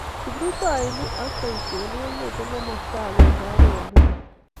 kiprutoinik ako boisionik kong'ete komasta agenge akoi age.